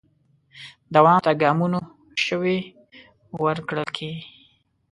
دوام ته ګامونو شوي ورکړل کې